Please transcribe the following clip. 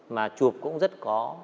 mà chụp cũng rất có